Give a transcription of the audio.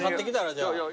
じゃあ。